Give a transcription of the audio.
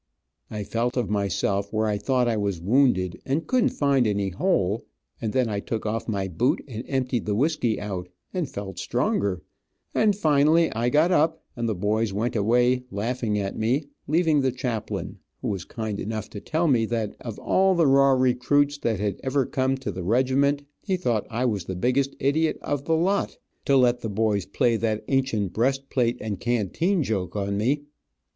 I felt of myself, where I thought I was wounded, and couldn't find any hole, and then I took off my boot, and emptied the whisky out, and felt stronger, and finally I got up, and the boys went away laughing at me, leaving the chaplain, who was kind enough to tell me that of all the raw recruits that had ever come to the regiment, he thought I was the biggest idiot of the lot, to let the boys play that ancient breast plate and canteen joke on me.